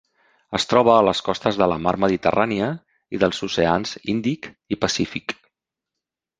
Es troba a les costes de la Mar Mediterrània i dels oceans Índic i Pacífic.